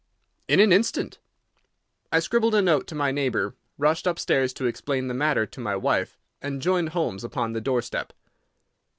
"In an instant." I scribbled a note to my neighbour, rushed upstairs to explain the matter to my wife, and joined Holmes upon the door step.